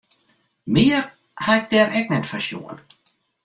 Mear ha ik dêr ek net fan sjoen.